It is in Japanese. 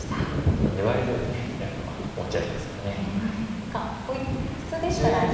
やっぱ粘り強くねやるのは持ち味ですからね。